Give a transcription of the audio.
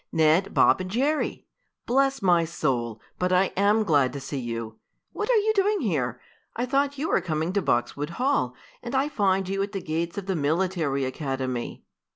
"Ned, Bob and Jerry! Bless my soul! But I am glad to see you! What are you doing here? I thought you were coming to Boxwood Hall, and I find you at the gates of the military academy."